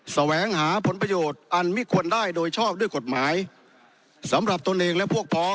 แสวงหาผลประโยชน์อันไม่ควรได้โดยชอบด้วยกฎหมายสำหรับตนเองและพวกพ้อง